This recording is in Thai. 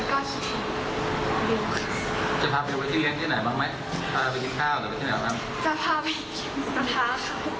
พาไปกินหมูกระทะไปทั้งแก๊งเลยหรือเป็นไงครับ